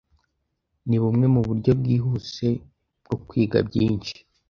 ni bumwe mu buryo bwihuse bwo kwiga byinshi